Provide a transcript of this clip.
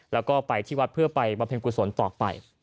แล้วก็ไปที่วัดเพื่อไปบำเพ็ญกุศลต่อไป